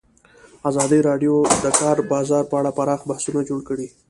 ازادي راډیو د د کار بازار په اړه پراخ بحثونه جوړ کړي.